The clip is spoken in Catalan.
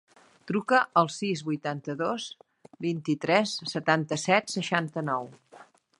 Truca al sis, vuitanta-dos, vint-i-tres, setanta-set, seixanta-nou.